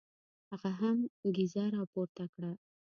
هغه هم کیزه را پورته کړه.